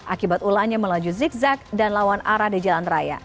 akibat ulahnya melaju zigzag dan lawan arah di jalan raya